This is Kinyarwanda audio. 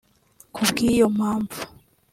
Ku bw’iyo mpamvu